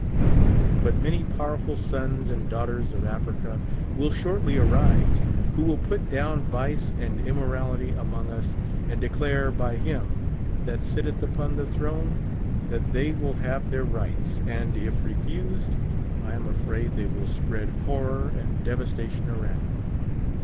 But many powerful sons and daughters of Africa will shortly arise, who will put down vice and im morality among us, and declare by Him f hat sitteth upon the throne that they will have their rights ; and if re fused, I am afraid they will spread horror and devasta tion around.